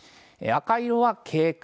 赤色は警戒。